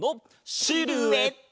シルエット！